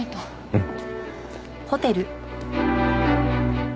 うん。